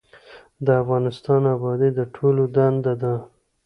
د افغانستان ابادي د ټولو دنده ده